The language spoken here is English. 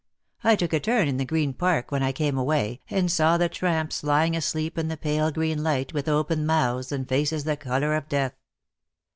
I took a turn in the Green Park when I came away, and saw the tramps lying asleep in the pale green light, with open mouths, and faces the colour of death."